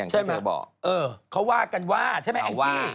อย่างที่เธอบอกเออเขาว่ากันว่าใช่ไหมอันที่เขาว่า